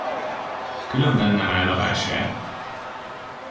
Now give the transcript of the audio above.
Különben nem áll a vásár.